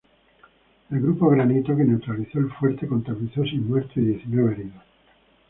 El grupo Granito que neutralizó el fuerte contabilizó seis muertos y diecinueve heridos.